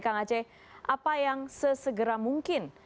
kang aceh apa yang sesegera mungkin